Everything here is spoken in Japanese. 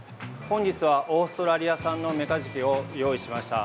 本日はオーストラリア産のメカジキを用意しました。